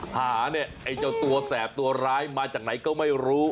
หาเนี่ยไอ้เจ้าตัวแสบตัวร้ายมาจากไหนก็ไม่รู้